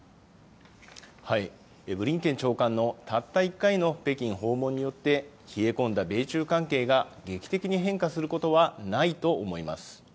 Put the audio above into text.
ブリンケン長官のたった１回の北京訪問によって、冷え込んだ米中関係が劇的に変化することはないと思います。